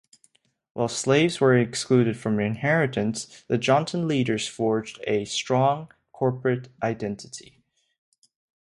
While slaves were excluded from inheritance, the Jonton leaders forged a strong corporate identity.